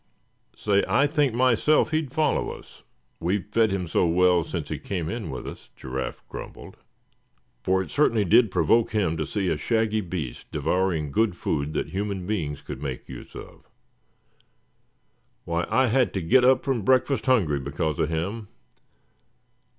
"Say, I think myself he'd follow us, we've fed him so well since he came in on us," Giraffe grumbled; for it certainly did provoke him to see a shaggy beast devouring good food that human beings could make use of. "Why, I had to get up from breakfast hungry because of him.